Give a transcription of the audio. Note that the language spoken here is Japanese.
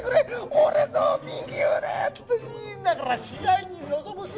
俺の右腕！」って言いながら試合に臨む姿！